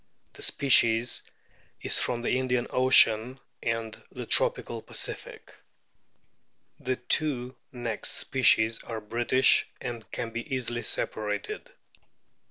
The species is from the Indian Ocean and the tropical Pacific. The two next species are British, and can be easily separated.